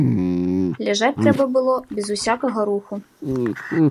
Ляжаць трэба было без усякага руху.